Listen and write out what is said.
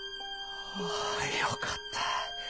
あよかった。